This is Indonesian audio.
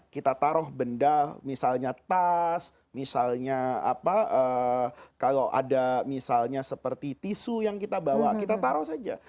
kita taruh benda misalnya tas misalnya kalau ada misalnya seperti tisu yang kita bawa kita taruh saja